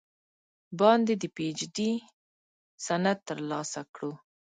باندې د پې اي چ ډي سند تر السه کړو ۔